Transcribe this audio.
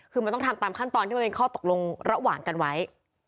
คือมันต้องทำตามขั้นตอนที่มันเป็นข้อตกลงระหว่างกันไว้